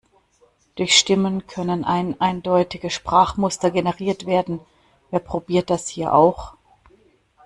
Durch Stimmen können eineindeutige Sprachmuster generiert werden - wer probiert das hier auch?